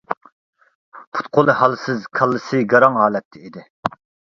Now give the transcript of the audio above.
پۇت-قولى ھالسىز، كاللىسى گاراڭ ھالەتتە ئىدى.